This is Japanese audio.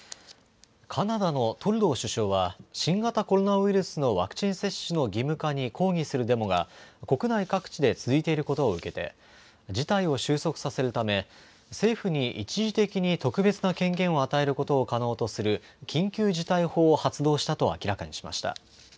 カナダのトルドー首相は新型コロナウイルスのワクチン接種の義務化に抗議するデモが国内各地で続いていることを受けて、事態を収束させるため政府に一時的に特別な権限を与えることを可能とする緊急事態法を発動したと明らかにしました。